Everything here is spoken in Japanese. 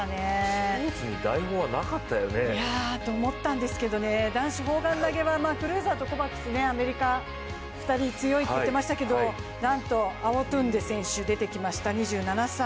スポーツに台本はなかったよね？と思ったんですけれども、男子砲丸投はクルーザーとコバクス、アメリカ、２人強いと言ってましたけどなんとアウォトゥンデ選手、出てきました、２７歳。